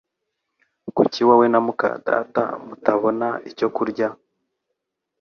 Kuki wowe na muka data mutabona icyo kurya?